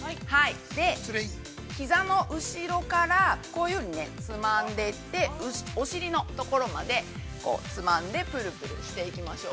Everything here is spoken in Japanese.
ひざの後ろからこういうふうに、つまんでいって、お尻のところまで、つまんでぷるぷるしていきましょう。